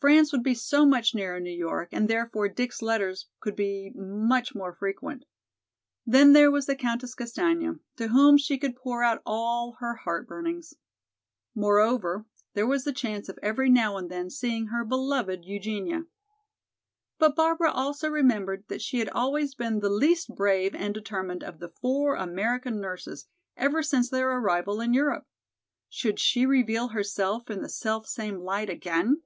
France would be so much nearer New York and therefore Dick's letters could be so much more frequent. Then there was the Countess Castaigne, to whom she could pour out all her heartburnings. Moreover, there was the chance of every now and then seeing her beloved Eugenia. But Barbara also remembered that she had always been the least brave and determined of the four American nurses ever since their arrival in Europe. Should she reveal herself in the selfsame light again?